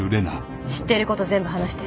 知っていること全部話して。